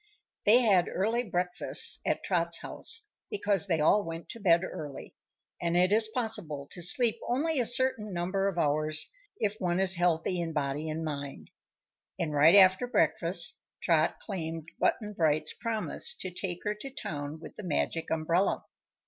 They had early breakfasts at Trot's house, because they all went to bed early and it is possible to sleep only a certain number of hours if one is healthy in body and mind. And right after breakfast Trot claimed Button Bright's promise to take her to town with the Magic Umbrella.